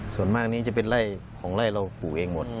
ส่วนมากนี้จะเป็นไร่ของไล่เราปลูกเองหมด